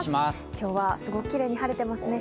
今日はすごくキレイに晴れてますね。